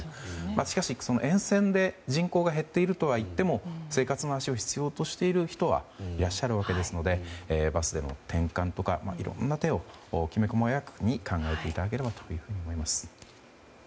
しかし沿線で人口が減っているとはいっても生活の足を必要としている人はいらっしゃるわけなのでバスへの転換とかいろんな手を考えていただければと思います。